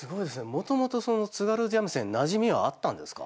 もともとその津軽三味線なじみはあったんですか？